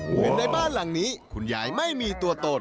เห็นในบ้านหลังนี้คุณยายไม่มีตัวตน